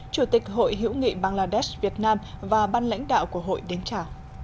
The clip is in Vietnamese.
chủ tịch hội hiểu nghị bangladesh việt nam và ban lãnh đạo của hội đến chào